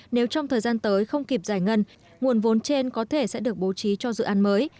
nếu trong thời gian tới không kịp giải ngân nguồn vốn trên có thể sẽ được bố trí cho dự án mới